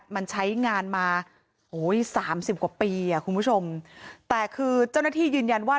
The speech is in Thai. มันใช้งานมาโอ้ยสามสิบกว่าปีอ่ะคุณผู้ชมแต่คือเจ้าหน้าที่ยืนยันว่า